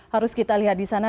harus kita lihat di sana